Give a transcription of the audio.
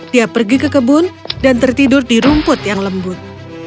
dia pergi ke kebun dan tertidur di rumput yang lembut